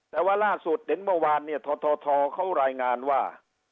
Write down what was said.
แต่ว่าล่าสุดเห็นเมื่อวานเนี่ยททเขารายงานว่า